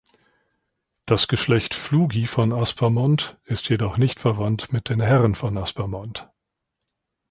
Das Geschlecht Flugi von Aspermont ist jedoch nicht verwandt mit den Herren von Aspermont.